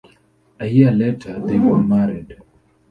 A year later they were married.